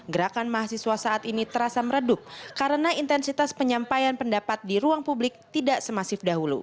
gerakan mahasiswa saat ini terasa meredup karena intensitas penyampaian pendapat di ruang publik tidak semasif dahulu